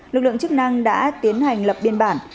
lực lượng chức năng đã tiến hành lập biên bản